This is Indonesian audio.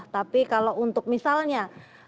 tapi kalau untuk misalnya